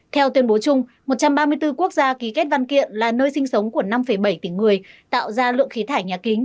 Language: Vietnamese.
theo tuyên bố chung một trăm ba mươi bốn quốc gia ký kết văn kiện là nơi sinh sống của năm bảy tỉnh người tạo ra lượng khí thải nhà kính